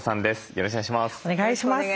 よろしくお願いします。